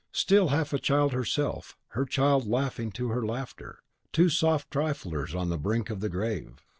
Still half a child herself, her child laughing to her laughter, two soft triflers on the brink of the grave!